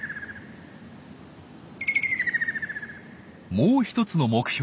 もう一つの目標